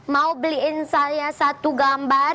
mau beliin saya satu gambar